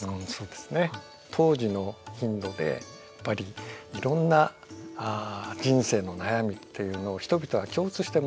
当時のインドでやっぱりいろんな人生の悩みっていうのを人々は共通して持ってた。